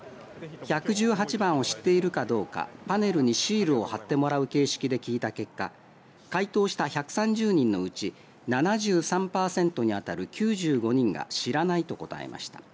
１１８番を知っているかどうかパネルにシールを貼ってもらう形式で聞いた結果回答した１３０人のうち７３パーセントに当たる９５人が知らないと答えました。